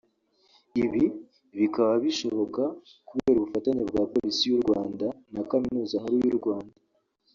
Ibi bikaba bishoboka kubera ubufatanye bwa Polisi y’u Rwanda na Kaminuza nkuru y’u Rwanda